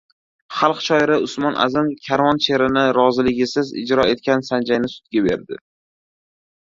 Xalq shoiri Usmon Azim «Karvon» she’rini roziligisiz ijro etgan Sanjayni sudga berdi